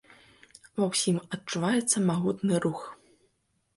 Ва ўсім адчуваецца магутны рух.